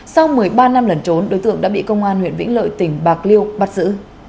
sau một mươi ba năm lẩn trốn đối tượng đã bị công an huyện vĩnh lợi tỉnh bạc liêu bắt giữ